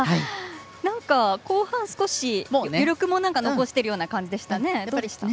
なんか、後半、少し余力も残しているような感じでしたね。